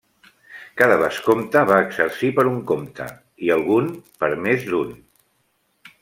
Cada vescomte va exercir per un comte i algun per més d'un.